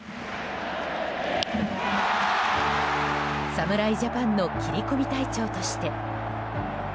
侍ジャパンの切り込み隊長として。